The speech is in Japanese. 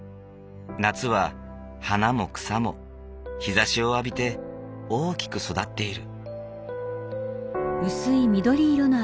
夏は花も草も日ざしを浴びて大きく育っている。